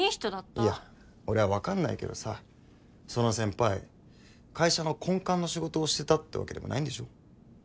いや俺は分かんないけどさその先輩会社の根幹の仕事をしてたってわけでもないんでしょ？